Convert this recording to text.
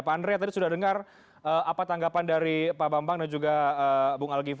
pak andrea tadi sudah dengar apa tanggapan dari pak bambang dan juga bung al giv